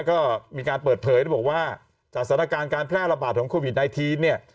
ก็มีการเปิดเผยบอกว่าจากสถานการณ์การแพร่ระบาดของโควิด๑๙เนี่ย